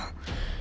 tidak ada apa apa